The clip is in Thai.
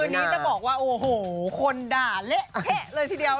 วันนี้จะบอกว่าโอ้โหคนด่าเละเทะเลยทีเดียว